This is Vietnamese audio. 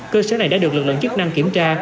cơ sở này đã được lực lượng chức năng kiểm tra